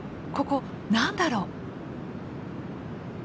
ここ何だろ？